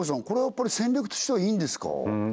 これはやっぱり戦略としてはいいんですか？